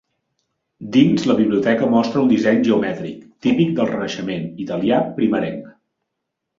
Dins, la biblioteca mostra un disseny geomètric, típic del Renaixement italià primerenc.